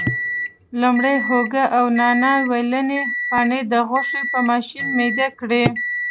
لومړی هوګه او نانا ویلني پاڼې د غوښې په ماشین میده کړي.